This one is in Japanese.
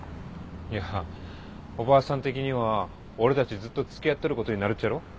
いやおばあさん的には俺たちずっと付き合っとることになるっちゃろ？